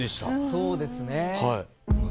そうですね。